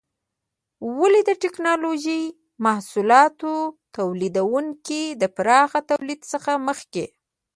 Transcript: ولې د ټېکنالوجۍ محصولاتو تولیدونکي د پراخه تولید څخه مخکې؟